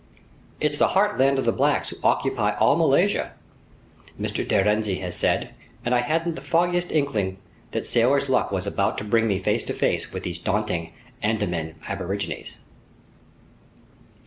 "It's the heartland of the blacks who occupy all Malaysia," Mr. de Rienzi has said; and I hadn't the foggiest inkling that sailors' luck was about to bring me face to face with these daunting Andaman aborigines.